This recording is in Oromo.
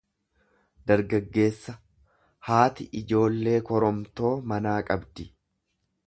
dargaggeessa; Haati ijoollee koromtoo manaa qabdi.